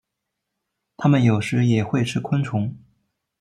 它们有时也会吃昆虫。